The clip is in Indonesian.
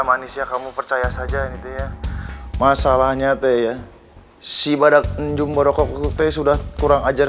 manusia kamu percaya saja masalahnya teh ya si badak jumbo rokok putih sudah kurang ajar